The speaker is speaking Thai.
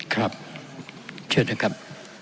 ครับเชิญนะครับ